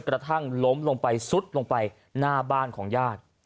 กระทั่งล้มลงไปซุดลงไปหน้าบ้านของญาติ